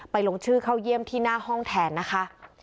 ลงชื่อเข้าเยี่ยมที่หน้าห้องแทนนะคะ